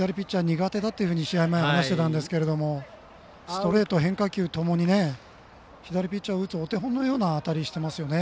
苦手だというふうに試合前、話していたんですがストレート、変化球ともに左ピッチャーを打つお手本のような当たりしてますね。